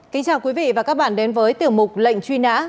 kính chào quý vị và các bạn đến với tiểu mục lệnh truy nã